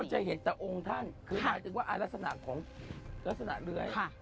ทุกคนจะเห็นแต่องท่างคือหมายถึงว่ารัศนาของรัศนาเรือย